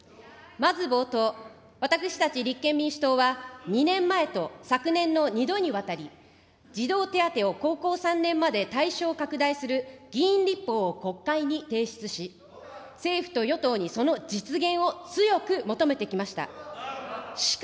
まず冒頭、私たち立憲民主党は、２年前と昨年の２度にわたり、児童手当を高校３年まで対象拡大する議員立法を国会に提出し、政府と与党にその実現を強く求めてきました。